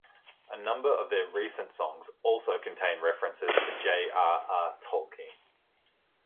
A number of their recent songs also contain references to J. R. R. Tolkien.